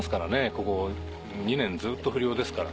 ここ２年ずっと不漁ですから。